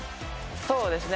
そうですね。